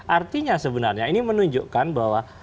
artinya sebenarnya ini menunjukkan bahwa